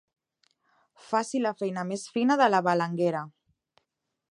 Faci la feina més fina de la balenguera.